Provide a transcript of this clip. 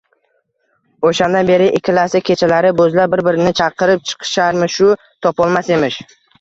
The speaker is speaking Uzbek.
O‘shandan beri ikkalasi kechalari bo‘zlab bir-birini chaqirib chiqisharmishu, topolmas emish.